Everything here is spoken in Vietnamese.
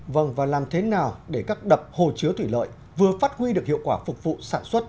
vâng và làm thế nào để các đập hồ chứa thủy lợi vừa phát huy được hiệu quả phục vụ sản xuất